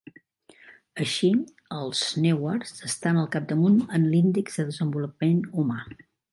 Així, els Newars estan al capdamunt en l'índex de desenvolupament humà.